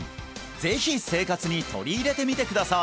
ぜひ生活に取り入れてみてください